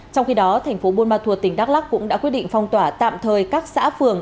trong khi đó tp bôn ma thuột tỉnh đắk lắc cũng đã quyết định phong tỏa tạm thời các xã phường